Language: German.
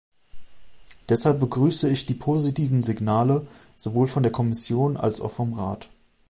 Deshalb begrüße ich die positiven Signale sowohl von der Kommission als auch vom Rat.